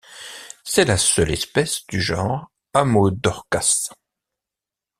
C'est la seule espèce du genre Ammodorcas.